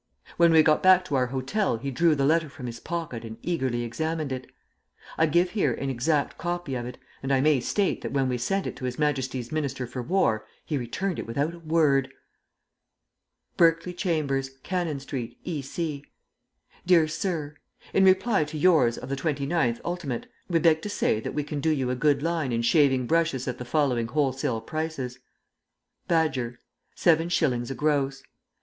When we got back to our hotel he drew the letter from his pocket and eagerly examined it. I give here an exact copy of it, and I may state that when we sent it to His Majesty's Minister for War he returned it without a word! "BERKELEY CHAMBERS, CANNON STREET, E.C. DEAR SIR, In reply to yours of the 29th ult. we beg to say that we can do you a good line in shaving brushes at the following wholesale prices: Badger 70s. a gross.